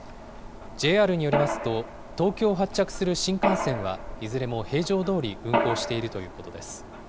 ＪＲによりますと、東京を発着する新幹線は、いずれも平常どおり運行しているということです。